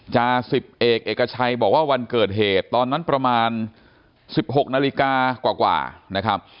จาสิบเอกเอกชัยบอกว่าวันเกิดเหตุตอนนั้นประมาณ๑๖นาฬิกากว่านะครับ